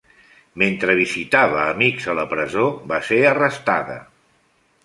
Mentre visitava amics a la presó va ser arrestada.